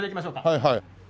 はいはい。